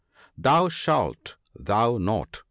" That shalt thou not !